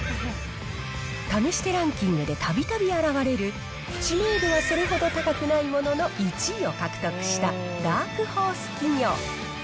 試してランキングでたびたび現れる、知名度はそれほど高くないものの、１位を獲得したダークホース企業。